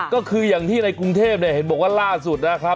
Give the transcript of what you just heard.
ก็คืออย่างที่ในกรุงเทพเนี่ยเห็นบอกว่าล่าสุดนะครับ